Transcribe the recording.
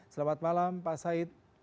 selamat malam pak said